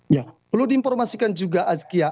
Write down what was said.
ya perlu diinformasikan juga azkia